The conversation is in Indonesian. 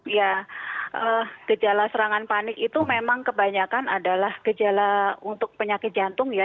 ya gejala serangan panik itu memang kebanyakan adalah gejala untuk penyakit jantung ya